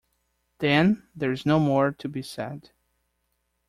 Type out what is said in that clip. Then there is no more to be said.